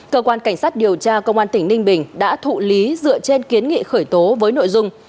cơ quan cảnh sát điều tra công an tỉnh ninh bình đã thụ lý dựa trên kiến nghị khởi tố với nội dung